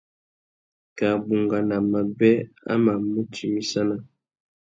Kā bungana mabê a mà mù timissana.